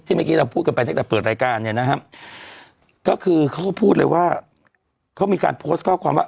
เมื่อกี้เราพูดกันไปตั้งแต่เปิดรายการเนี่ยนะครับก็คือเขาก็พูดเลยว่าเขามีการโพสต์ข้อความว่า